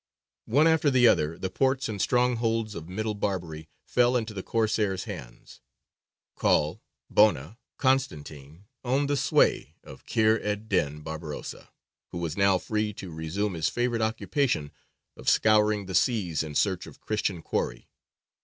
One after the other, the ports and strongholds of Middle Barbary fell into the Corsair's hands: Col, Bona, Constantine, owned the sway of Kheyr ed dīn Barbarossa, who was now free to resume his favourite occupation of scouring the seas in search of Christian quarry.